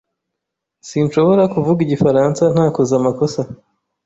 Sinshobora kuvuga igifaransa ntakoze amakosa.